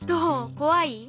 怖い？